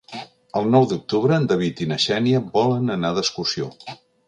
El nou d'octubre en David i na Xènia volen anar d'excursió.